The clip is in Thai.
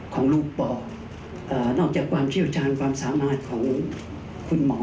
ของลุงปอกนอกจากความเชี่ยวชาญความสามารถของคุณหมอ